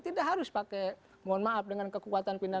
tidak harus pakai mohon maaf dengan kekuatan pindah